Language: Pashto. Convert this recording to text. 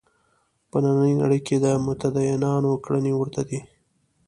په نننۍ نړۍ کې د متدینانو کړنې ورته دي.